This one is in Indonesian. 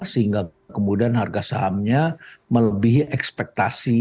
sehingga kemudian harga sahamnya melebihi ekspektasi